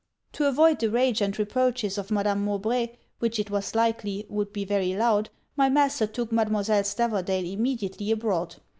'To avoid the rage and reproaches of Madame Mowbray, which it was likely would be very loud, my master took Mademoiselle Stavordale immediately abroad.